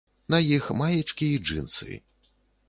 На іх маечкі і джынсы.